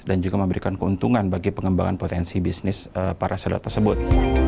dan juga memberikan keuntungan bagi pengembangan potensi bisnis para seller tersebut